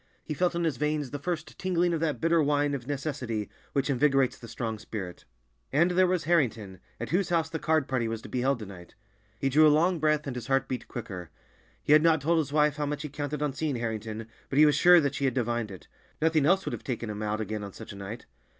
He felt in his veins the first tingling of that bitter wine of necessity which invigorates the strong spirit. And there was Harrington, at whose house the card party was to be held to night. He drew a long breath, and his heart beat quicker. He had not told his wife how much he counted on seeing Harrington, but he was sure that she had divined it—nothing else would have taken him out again on such a night.